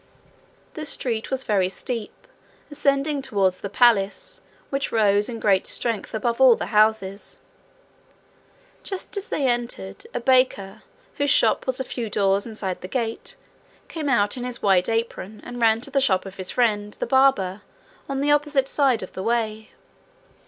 The street was very steep, ascending toward the palace, which rose in great strength above all the houses. Just as they entered, a baker, whose shop was a few doors inside the gate, came out in his white apron, and ran to the shop of his friend, the barber, on the opposite side of the way.